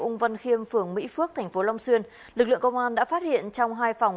ung văn khiêm phường mỹ phước tp long xuyên lực lượng công an đã phát hiện trong hai phòng